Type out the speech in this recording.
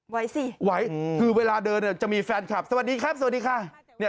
ไว้สิคือเวลาเดินจะมีแฟนคลับสวัสดีครับสวัสดีค่ะ